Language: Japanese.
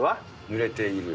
ぬれている。